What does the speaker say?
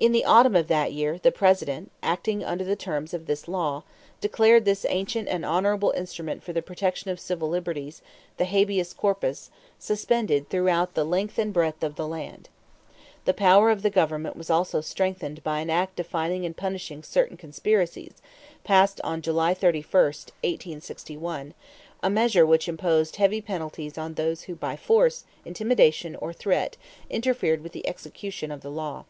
In the autumn of that year the President, acting under the terms of this law, declared this ancient and honorable instrument for the protection of civil liberties, the habeas corpus, suspended throughout the length and breadth of the land. The power of the government was also strengthened by an act defining and punishing certain conspiracies, passed on July 31, 1861 a measure which imposed heavy penalties on those who by force, intimidation, or threat interfered with the execution of the law.